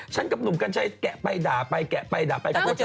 ฉันกับหนุ่มกันใช้แกะไปด่าไปแกะไปด่าไปก็เจอ